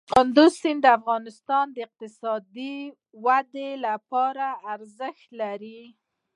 کندز سیند د افغانستان د اقتصادي ودې لپاره ارزښت لري.